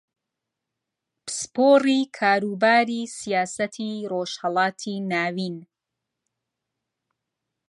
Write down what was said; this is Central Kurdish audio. پسپۆڕی کاروباری سیاسەتی ڕۆژھەڵاتی ناوین